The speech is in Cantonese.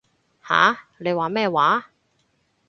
吓？你話咩話？